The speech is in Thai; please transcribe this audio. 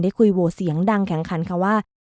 คุยโวเสียงดังแข็งขันค่ะว่า